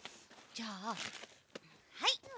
じゃあはい。